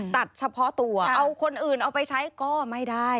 ตัดเฉพาะตัวเอาคนอื่นเอาไปใช้ก็ไม่ได้